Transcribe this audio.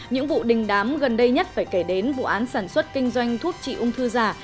những vụ đình đám gần đây nhất phải kể đến vụ án sản xuất kinh doanh thuốc trị ung thư giả